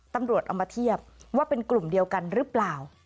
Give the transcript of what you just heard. ตำรวจเอามาเทียบว่าเป็นกลุ่มเดียวกันหรือเปล่า